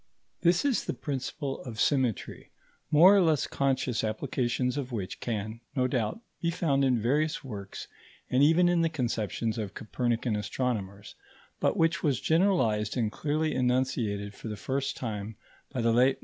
This is the principle of symmetry, more or less conscious applications of which can, no doubt, be found in various works and even in the conceptions of Copernican astronomers, but which was generalized and clearly enunciated for the first time by the late M.